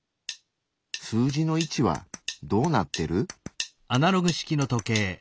数字の位置はどうなってる？